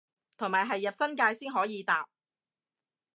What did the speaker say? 同埋係入新界先可以搭